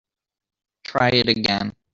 Try it again.